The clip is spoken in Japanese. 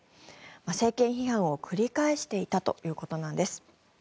政権批判を繰り返していたということなんです。